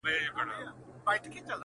د زړه بوټى مي دی شناخته د قبرونو,